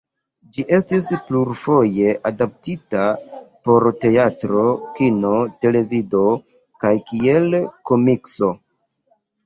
Ĝi estis plurfoje adaptita por teatro, kino, televido kaj kiel komikso.